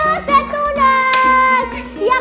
sunimang dan jupiter